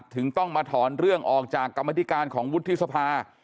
ถึงต้องมาถอนเรื่องออกจากกรรมธิการของวุฒิสภา